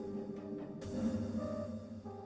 memang keluar tiga film buat videoalia nih